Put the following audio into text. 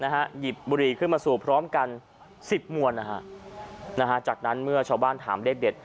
หยิบบุหรี่ขึ้นมาสูบพร้อมกัน๑๐มวลนะฮะจากนั้นเมื่อชาวบ้านถามเลขเด็ด